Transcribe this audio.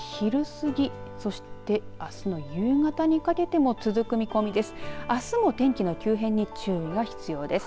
あすの昼すぎ、そしてあすの夕方にかけても続く見込みです。